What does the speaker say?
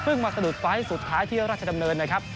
มาสะดุดไฟล์สุดท้ายที่ราชดำเนินนะครับ